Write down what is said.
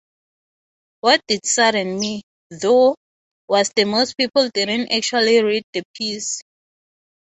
What did sadden me, though, was that most people didn't actually read the piece.